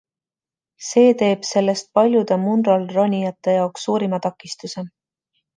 See teeb sellest paljude Munrol ronijate jaoks suurima takistuse.